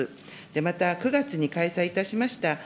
また、９月に開催いたしました